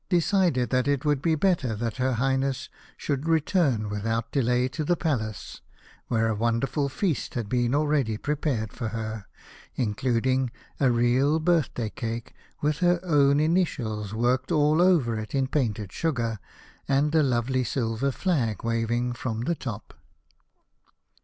decided that it would be better that her High ness should return without delay to the Palace, where a wonderful feast had been already prepared for her, including a real birthday cake with her own initials worked all over it in painted sugar and a lovely silver flag waving from the top.